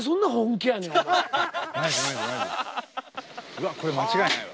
うわっこれ間違いないわ。